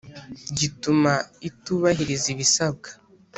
Gituma itubahiriza ibisabwa.